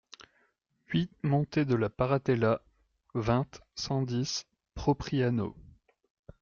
huit montée de la Paratella, vingt, cent dix, Propriano